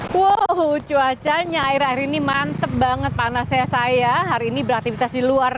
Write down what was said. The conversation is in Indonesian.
hai wow cuacanya air air ini mantep banget panasnya saya hari ini beraktivitas di luar